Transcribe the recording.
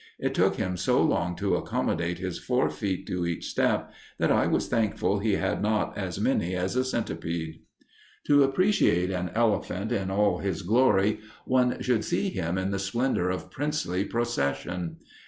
It took him so long to accommodate his four feet to each step, that I was thankful he had not as many as a centiped. To appreciate an elephant in all his glory, one should see him in the splendor of princely procession.